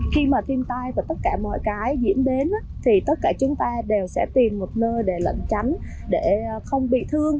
khi mà thiên tai và tất cả mọi cái diễn đến thì tất cả chúng ta đều sẽ tìm một nơi để lận tránh để không bị thương